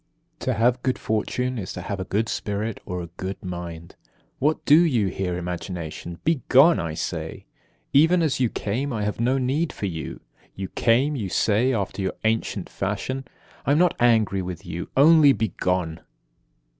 17. To have good fortune is to have a good spirit, or a good mind. What do you here, Imagination? Be gone, I say, even as you came. I have no need for you. You came, you say, after your ancient fashion: I am not angry with you, only, be gone!